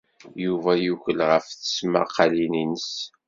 Yuba yukel ɣef tesmaqqalin-nnes.